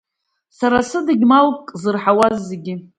Сара сыдагьы, малк зырҳауаз зегьы.